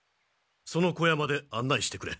その小屋まであんないしてくれ。